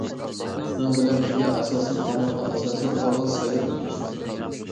شۇنىڭ بىلەن بىرگە، ئاساسىي قانۇنغا ئاساسەن ئاۋۋال سايلام ئۆتكۈزۈش كېرەك.